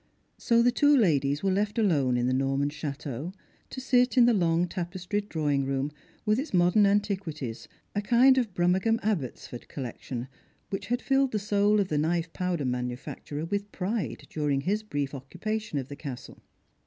So the two ladies were left alone in the Norman chateau, to sit in the long tapestried drawing room, with its modern anti quities, a kind of Brummagem Abbotsford collection, which Jiad filled the soul of the knife powder manufacturer with pride during his brief occupation of his castle.